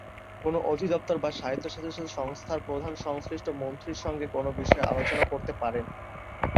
কোনো অধিদপ্তর বা স্বায়ত্তশাসিত সংস্থার প্রধান সংশ্লিষ্ট মন্ত্রীর সঙ্গে কোনো বিষয়ে আলোচনা করতে পারেন।